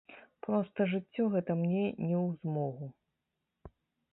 Проста жыццё гэта мне не ў змогу.